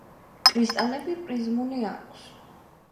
კრისტალები პრიზმული აქვს.